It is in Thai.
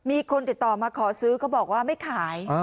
มีคนติดต่อมาขอซื้อเขาบอกว่าไม่ขาย